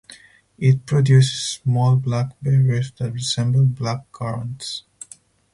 It produces small black berries that resemble black currants.